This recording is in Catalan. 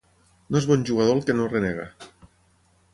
No és bon jugador el que no renega.